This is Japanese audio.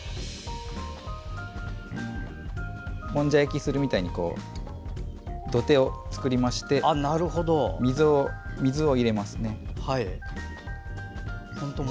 もんじゃ焼きするみたいに土手を作りまして水を入れます。